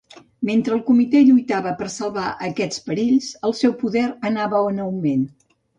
Mentre el Comitè lluitava per salvar aquests perills, el seu poder anava en augment.